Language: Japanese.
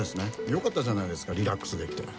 よかったじゃないですかリラックスできて。